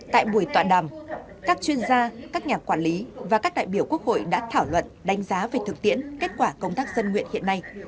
tại buổi tọa đàm các chuyên gia các nhà quản lý và các đại biểu quốc hội đã thảo luận đánh giá về thực tiễn kết quả công tác dân nguyện hiện nay